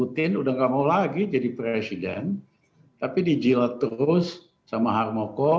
tapi dijilat terus sama harmoko